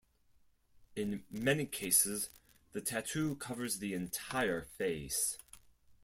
In many cases the tattoo covers the entire face.